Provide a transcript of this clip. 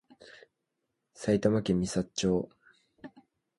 埼玉県美里町